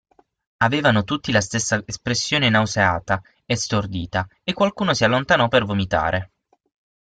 Avevano tutti la stessa espressione nauseata e stordita, e qualcuno si allontanò per vomitare.